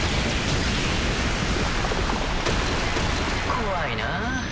怖いなぁ。